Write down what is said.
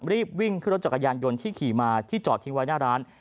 รีบวิ่งขึ้นรถจักรยานยนต์ที่ขี่มาที่จอดทิ้งไว้หน้าร้าน